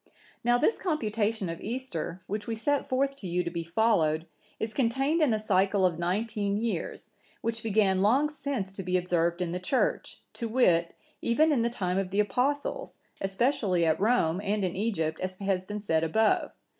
"Now this computation of Easter, which we set forth to you to be followed, is contained in a cycle of nineteen years, which began long since to be observed in the Church, to wit, even in the time of the Apostles, especially at Rome and in Egypt, as has been said above.